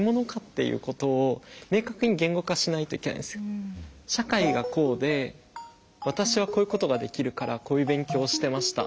就職活動してる中で社会がこうで私はこういうことができるからこういう勉強をしてました。